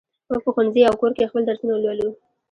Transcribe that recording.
موږ په ښوونځي او کور کې خپل درسونه لولو.